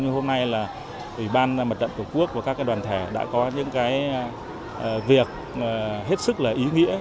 nhưng hôm nay là ủy ban mặt trận tổ quốc và các đoàn thể đã có những việc hết sức là ý nghĩa